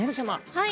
はい。